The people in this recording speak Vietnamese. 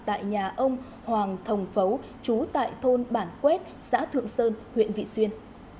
tại nhà ông hoàng thồng phấu chú tại thôn bản quét xã thượng sơn huyện vị xuyên